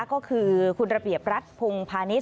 ก็คือคุณระเบียบรัฐพงพาณิชย